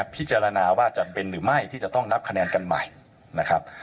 พิจารณาว่าจะเป็นหรือไม่ที่จะต้องนับคะแนนกันใหม่นะครับ